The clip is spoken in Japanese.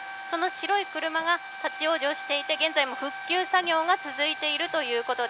その白い車が立往生していて、現在も復旧作業が続いています。